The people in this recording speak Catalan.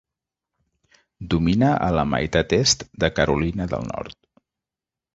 Domina a la meitat est de Carolina del Nord.